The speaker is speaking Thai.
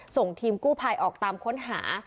ส่งทีมกู้ภัยออกตามค้นหา